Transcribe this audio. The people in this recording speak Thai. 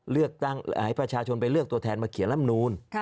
ให้ประชาชนไปเลือกตัวแทนมาเขียนลำนูน